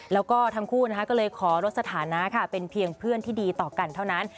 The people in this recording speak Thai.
แล้วก็ทั้งคู่ก็เลยขอลดสถานะค่ะเป็นเพียงเพื่อนที่ดีต่อกันเท่านั้น